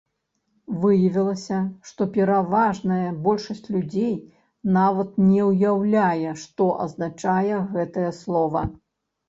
Выявілася, што пераважная большасць людзей нават не ўяўляе, што азначае гэтае слова.